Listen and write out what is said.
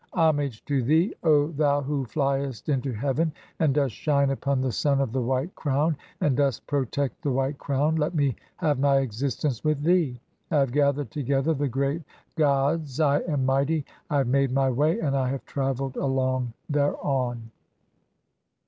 Homage to thee, (3) O "thou who fliest into heaven, and dost shine upon the son of "the white crown, and dost protect the white crown, let me "have my existence with thee ! I have gathered together the great "god[s], I am mighty, I have made my way and I have travelled "along thereon."